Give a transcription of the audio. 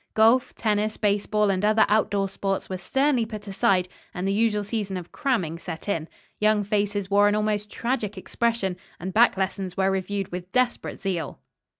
Golf, tennis, baseball and other outdoor sports were sternly put aside, and the usual season of "cramming" set in. Young faces wore an almost tragic expression, and back lessons were reviewed with desperate zeal.